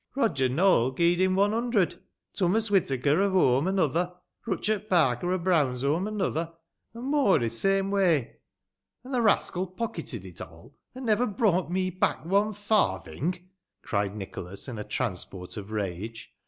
"Roger NoweU gied him one himdred ; Tummus Whitaker of Holme, another ; Buchet Parker o' Browsholme, another. An' more i' th' same way." " And the rascal pocketed it all, and never brought me back otie farthing," cried Nicholas, in a transport of rage.